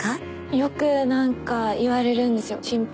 よく何か言われるんですよ心配。